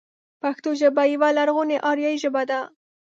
پښتو ژبه يوه لرغونې اريايي ژبه ده.